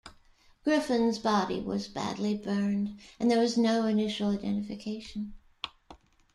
Griffin's body was badly burned and there was no initial identification.